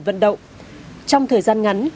vận động trong thời gian ngắn